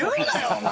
お前！